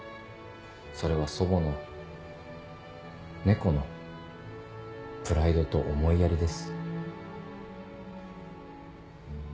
それは祖母の猫のプライドと思いやりです。